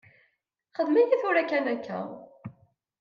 Xdem aya tura kan akka!